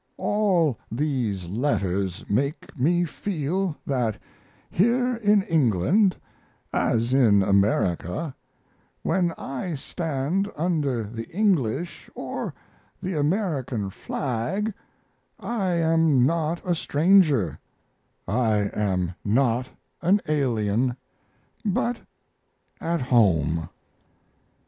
All these letters make me feel that here in England, as in America, when I stand under the English or the American flag I am not a stranger, I am not an alien, but at home.